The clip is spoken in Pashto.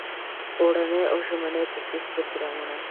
اوړني او ژمني تدریسي پروګرامونه.